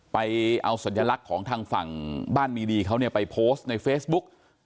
ไปเอาสัญลักษณ์ของทางฝั่งบ้านมีดีเขาเนี่ยไปโพสต์ในเฟซบุ๊ก